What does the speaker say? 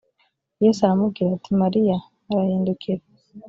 yesu aramubwira ati mariya arahindukira